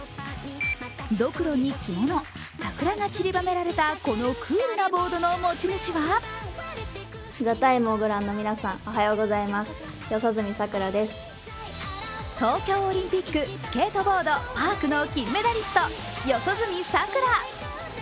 どくろに着物、桜が散りばめられたこのクールなボードの持ち主は東京オリンピックスケートボード・パークの金メダリスト四十住さくら。